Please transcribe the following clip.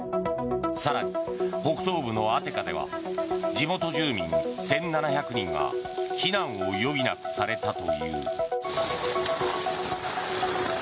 更に、北東部のアテカでは地元住民１７００人が避難を余儀なくされたという。